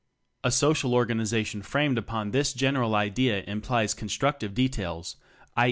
A social organization framed upon this general idea implies constructive details, i.